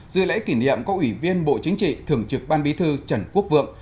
dự lễ kỷ niệm có ủy viên bộ chính trị thường trực ban bí thư trần quốc vượng